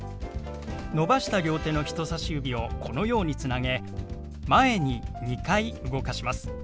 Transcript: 伸ばした両手の人さし指をこのようにつなげ前に２回動かします。